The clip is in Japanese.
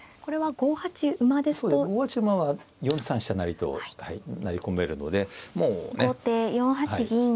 ５八馬は４三飛車成と成り込めるのでもうねはい。